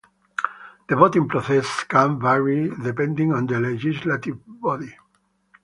The voting process can vary depending on the legislative body.